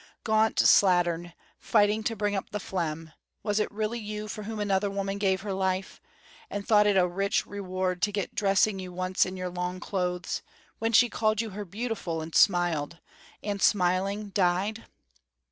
Gaunt slattern, fighting to bring up the phlegm, was it really you for whom another woman gave her life, and thought it a rich reward to get dressing you once in your long clothes, when she called you her beautiful, and smiled, and smiling, died?